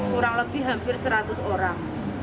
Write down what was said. kurang lebih hampir seratus orang